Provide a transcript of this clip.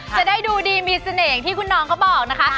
จะได้ดูดีมีเสน่ห์อย่างที่คุณน้องเขาบอกนะคะ